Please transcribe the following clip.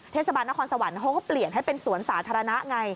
เทศบาลนครสวรรค์เขาก็เปลี่ยนให้เป็นสวนสาธารณะไง